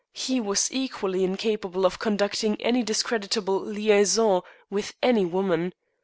He was equally incapable of conducting any discreditable liaison with any woman.